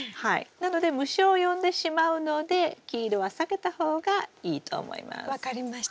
なので虫を呼んでしまうので黄色は避けた方がいいと思います。